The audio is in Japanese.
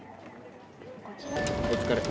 お疲れ。